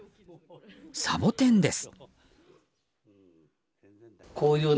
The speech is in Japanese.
サボテンです。